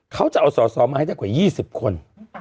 เขาจะเอาสอสอมาให้ได้กว่า๒๐คน